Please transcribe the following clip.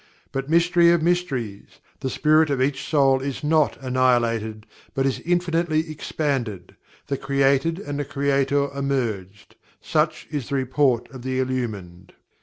But Mystery of Mysteries the Spirit of each soul is not annihilated, but is infinitely expanded the Created and the Creator are merged. Such is the report of the Illumined!